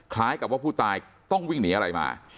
คล้ายกับว่าผู้ตายต้องวิ่งหนีอะไรมา